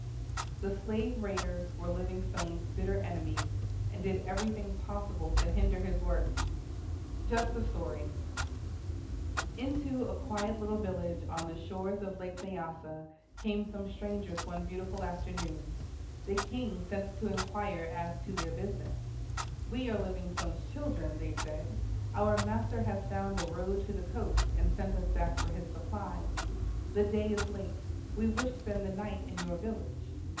The slave raiders were Livingstone's bitter enemies, and did everything possible to hinder his work. Just a story: Into a quiet little village on the shores of Lake Nyassa came some strangers one beautiful afternoon. The king sent to inquire as to their business. "We are Livingstone's children," they said. "Our master has found a road to the coast, and sent us back for his supplies. The day is late; we wish to spend the night in your village."